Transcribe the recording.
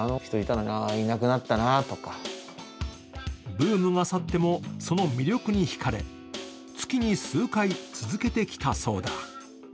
ブームが去っても、その魅力にひかれ、月に数回続けてきたそうだ。